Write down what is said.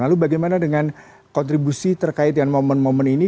lalu bagaimana dengan kontribusi terkait dengan momen momen ini